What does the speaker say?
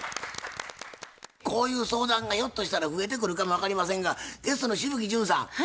こういう相談がひょっとしたら増えてくるかも分かりませんがゲストの紫吹淳さん